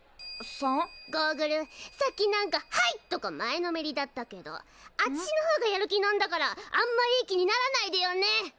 ゴーグルさっきなんか「はい！」とか前のめりだったけどあちしのほうがやる気なんだからあんまりいい気にならないでよね！